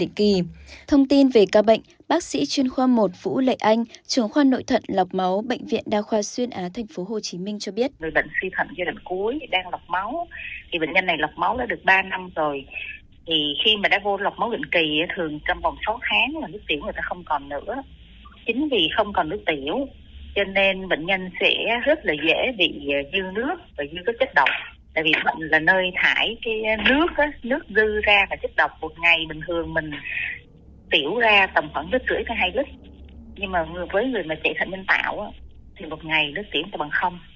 nhưng mà với người mà chạy thận minh tạo thì một ngày nước tiểu ta bằng không